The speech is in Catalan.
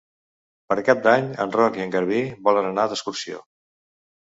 Per Cap d'Any en Roc i en Garbí volen anar d'excursió.